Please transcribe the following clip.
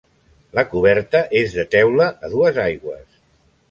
La coberta és de teula, a dues aigües.